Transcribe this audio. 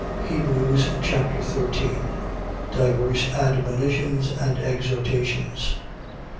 Hebrews Chapter 13 Divers admonitions and exhortations.